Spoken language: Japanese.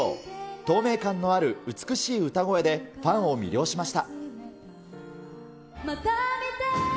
透明感のある美しい歌声で、ファンを魅了しました。